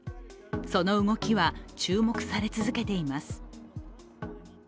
その動きは注目され続けています。